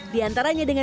di antaranya dengan